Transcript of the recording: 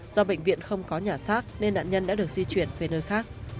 do bệnh viện không có nhà xác nên nạn nhân đã được di chuyển về nơi khác